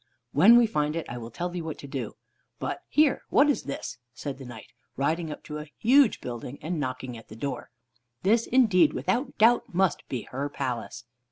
"When we find it, I will tell thee what to do. But, here! What is this?" said the Knight, riding up to a huge building, and knocking at the door. "This indeed, without doubt, must be her palace."